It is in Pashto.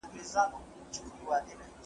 تاسو بايد د خپل فکر لپاره رښتينی منطق ولرئ.